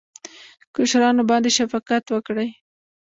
کشرانو باندې شفقت وکړئ